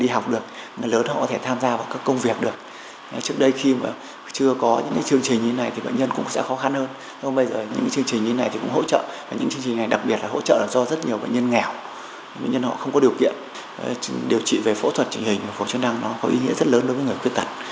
điều trị về phẫu thuật trình hình phục hồi chức năng nó có ý nghĩa rất lớn đối với người khuyết tật